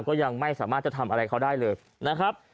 ก็ยังไม่สามารถจะทำอะไรเขาได้เลยนะครับ